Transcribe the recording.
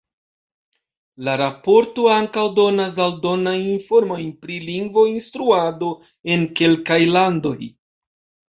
La raporto ankaŭ donas aldonajn informojn pri lingvo-instruado en kelkaj landoj.